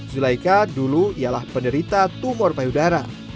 zulaika dulu ialah penderita tumor payudara